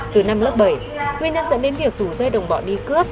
từ năm lớp bảy nguyên nhân dẫn đến việc rủ dây đồng bọn đi cướp